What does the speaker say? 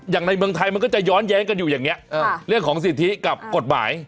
ในเมืองไทยมันก็จะย้อนแย้งกันอยู่อย่างนี้เรื่องของสิทธิกับกฎหมาย